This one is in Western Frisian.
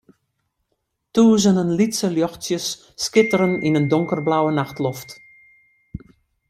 Tûzenen lytse ljochtsjes skitteren yn in donkerblauwe nachtloft.